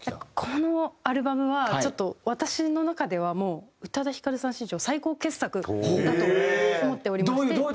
このアルバムはちょっと私の中ではもう宇多田ヒカルさん史上最高傑作だと思っておりまして。